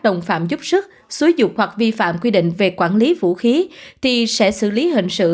đồng phạm giúp sức xúi dục hoặc vi phạm quy định về quản lý vũ khí thì sẽ xử lý hình sự